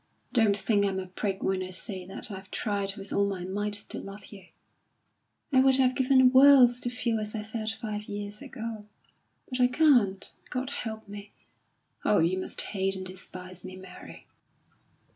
Don't think I'm a prig when I say that I've tried with all my might to love you. I would have given worlds to feel as I felt five years ago. But I can't. God help me!... Oh, you must hate and despise me, Mary!"